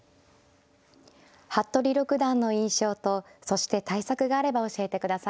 服部六段の印象とそして対策があれば教えてください。